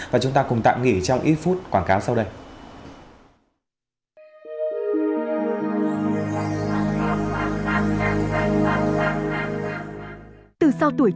và chúng ta cùng tạm nghỉ trong ít phút quảng cáo sau đây